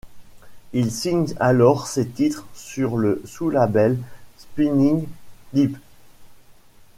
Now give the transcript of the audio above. Il signe alors ses titres sur le sous-label Spinnin' Deep.